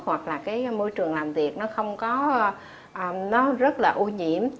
hoặc là cái môi trường làm việc nó không có nó rất là ô nhiễm